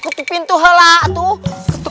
ketuk ketuk pintu bagaimana atuh salah didinya atuh